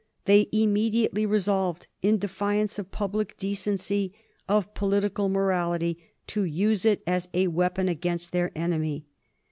They immediately resolved, in defiance of public decency, of political morality, to use it as a weapon against their enemy.